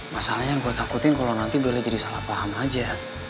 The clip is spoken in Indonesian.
masalahnya yang gue takutin kalau nanti boleh jadi salah paham aja